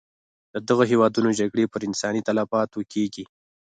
د دغه هېوادونو جګړې پر انساني تلفاتو کېږي.